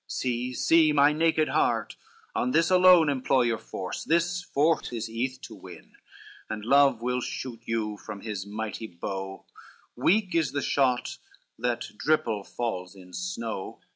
See, see, my naked heart, on this alone Employ your force this fort is eath to win, And love will shoot you from his mighty bow, Weak is the shot that dripile falls in snow.